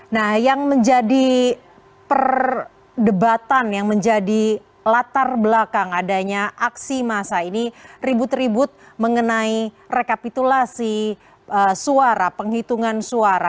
nah yang menjadi perdebatan yang menjadi latar belakang adanya aksi massa ini ribut ribut mengenai rekapitulasi suara penghitungan suara